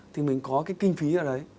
thì mình có cái kinh phí ở đấy